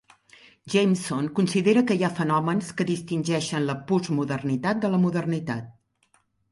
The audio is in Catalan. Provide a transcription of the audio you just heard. Jameson considera que hi ha fenòmens que distingeixen la postmodernitat de la modernitat.